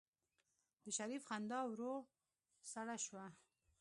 د شريف خندا ورو سړه شوه.